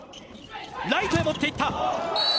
ライトへ持っていった”